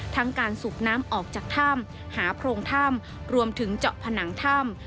ทั้งการสูบน้ำออกจากถ้ำหาโพรงถ้ำรวมถึงเจาะผนังถ้ำ